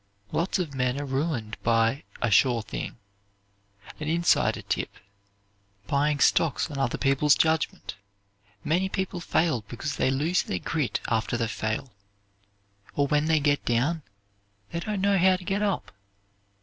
Lots of men are ruined by "a sure thing," an inside tip, buying stocks on other people's judgment. Many people fail because they lose their grit after they fail, or when they get down, they don't know how to get up.